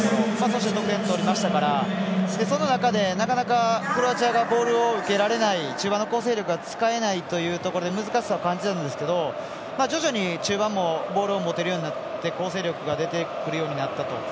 そして、得点を取りましたからその中で、なかなかクロアチアがボールを受けられない中盤の構成力が使えないところで難しさを感じたんですけど徐々に中盤もボールを持てるようになって構成力が出てくるようになったと。